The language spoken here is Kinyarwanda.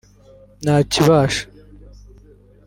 « Ntakibasha »